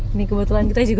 ini kebetulan kita juga